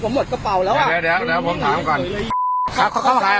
ก็จำได้ไปยา